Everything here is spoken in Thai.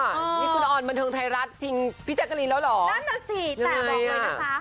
นี่คุณออนบันเทิงไทยรัฐจริงพิเศษกรีนแล้วเหรออย่างไรน่ะนั่นนะสิแต่บอกเลยนะจ๊ะ